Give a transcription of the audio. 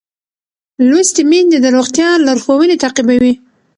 لوستې میندې د روغتیا لارښوونې تعقیبوي.